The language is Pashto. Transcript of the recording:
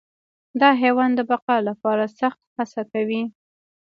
دا حیوان د بقا لپاره سخت هڅه کوي.